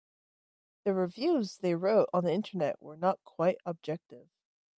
The reviews they wrote on the Internet were not quite objective.